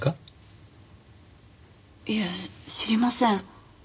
いえ知りません。